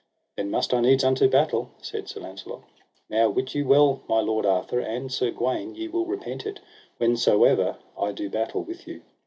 Then must I needs unto battle, said Sir Launcelot. Now wit you well, my lord Arthur and Sir Gawaine, ye will repent it whensomever I do battle with you.